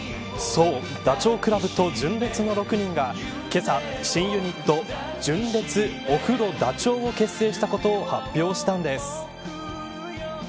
そうダチョウ倶楽部と純烈の６人がけさ、新ユニット純烈おふろダチョウを結成したことを発表したんです。